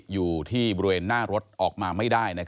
อยู่ที่บริเวณหน้ารถออกมาไม่ได้